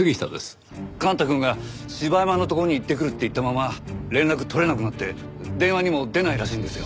幹太くんが柴山のところに行ってくるって言ったまま連絡取れなくなって電話にも出ないらしいんですよ。